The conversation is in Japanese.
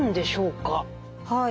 はい。